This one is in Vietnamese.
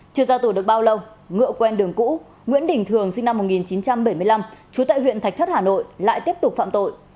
chưa ra tù được bao lâu ngựa quen đường cũ nguyễn đình thường sinh năm một nghìn chín trăm bảy mươi năm trú tại huyện thạch thất hà nội lại tiếp tục phạm tội